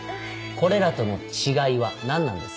これらとの違いは何なんです？